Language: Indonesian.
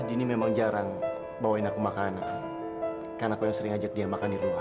ini memang jarang bawain aku makanan karena kau sering ajak dia makan di luar